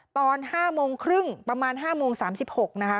ตอนห้าโมงครึ่งประมาณห้าโมงสามสิบหกนะคะ